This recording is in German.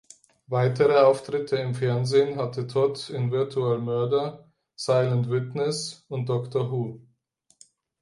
Weitere Auftritte im Fernsehen hatte Todd in "Virtual Murder", "Silent Witness" und "Doctor Who".